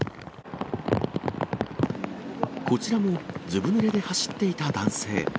こちらもずぶぬれで走っていた男性。